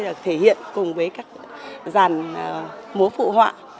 được thể hiện cùng với các giàn múa phụ họa